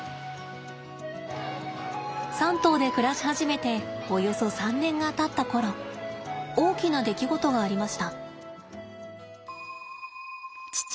３頭で暮らし始めておよそ３年がたった頃大きな出来事がありました。